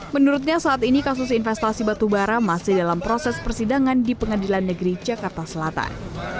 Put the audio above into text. menurutnya saat ini kasus investasi batu bara masih dalam proses persidangan di pengadilan negeri jakarta selatan